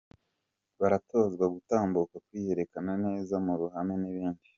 Baratozwa gutambuka, kwiyerekana neza mu ruhame n'ibindi.